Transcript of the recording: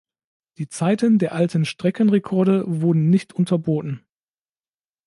Die Zeiten der alten Streckenrekorde wurden nicht unterboten.